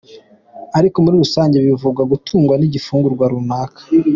Ariko muri rusange bivuga gutungwa n’igifungurwa runaka.